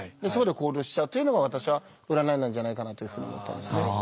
そこで行動しちゃうというのが私は占いなんじゃないかなというふうに思ったんですね。